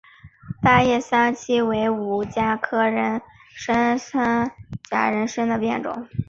大叶三七为五加科人参属假人参的变种。